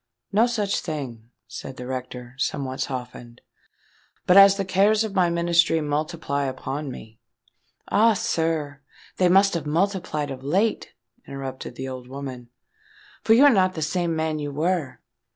"No such thing," said the rector, somewhat softened. "But as the cares of my ministry multiply upon me——" "Ah! sir, they must have multiplied of late," interrupted the old woman; "for you're not the same man you were."